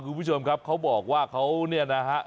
คุณผู้ชมครับเขาบอกว่าเขาเนี่ยนะฮะ